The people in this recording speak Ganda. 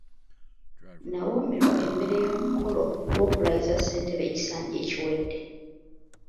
Nawoomerwa emmere y’omukolo gw’okulayiza ssentebe ekisanja ekiwedde.